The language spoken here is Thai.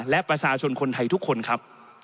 และประชาชนคนไทยทุกคนครับ